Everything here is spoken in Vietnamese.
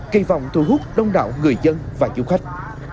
kỳ vọng thu hút đông đảo người dân và du khách